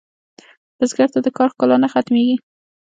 بزګر ته د کار ښکلا نه ختمېږي